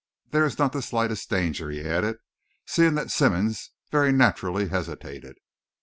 There is not the slightest danger," he added, seeing that Simmonds very naturally hesitated.